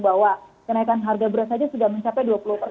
bahwa kenaikan harga beras saja sudah mencapai dua puluh persen